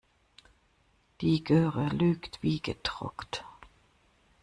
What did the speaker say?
Die Göre lügt wie gedruckt.